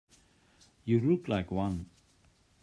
You look like one.